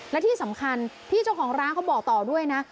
และที่สำคัญพี่เจ้าของร้านเขาบอกต่อด้วยนะ